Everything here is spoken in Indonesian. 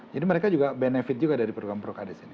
jadi mereka benifikasi juga dari program procades ini